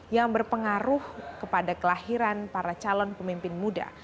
yang berpengaruh kepada kelahiran para calon pemimpin muda